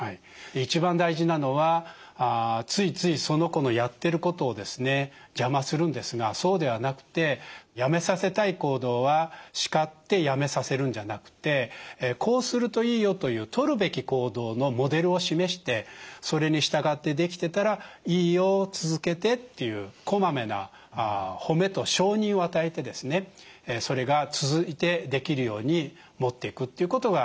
一番大事なのはついついその子のやってることを邪魔するんですがそうではなくてやめさせたい行動は叱ってやめさせるんじゃなくて「こうするといいよ」という取るべき行動のモデルを示してそれに従ってできてたら「いいよ続けて」っていうこまめな褒めと承認を与えてそれが続いてできるようにもっていくっていうことがいいかなと思います。